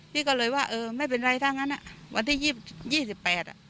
พี่ก็เลยว่าเออไม่เป็นไรถ้างั้นอ่ะวันที่๒๒๘อ่ะ